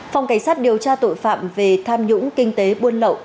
phòng cảnh sát điều tra tội phạm về tham nhũng kinh tế buôn lậu